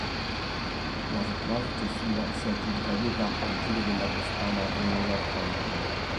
La settimana successiva si aggiudica due tappe al Giro della Toscana-Memorial Fanini.